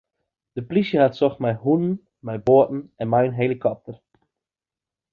De plysje hat socht mei hûnen, mei boaten en mei in helikopter.